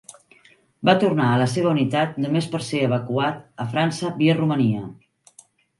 Va tornar a la seva unitat només per ser evacuat a França via Romania.